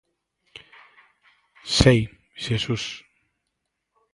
_Sei, Xesús.